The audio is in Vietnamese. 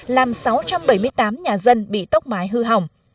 làm sáu trăm bảy mươi tám nhà dân bị tốc mái hư hỏng